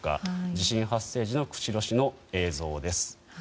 地震発生時の釧路市の映像です。